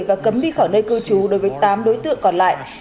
và cấm đi khỏi nơi cư trú đối với tám đối tượng còn lại